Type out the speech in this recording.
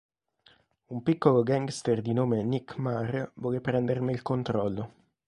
Un piccolo gangster di nome Nick Marr vuole prenderne il controllo.